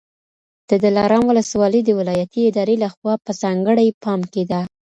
د دلارام ولسوالي د ولایتي ادارې لخوا په ځانګړي پام کي ده